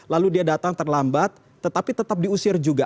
lalu dia datang terlambat tetapi tetap diusir juga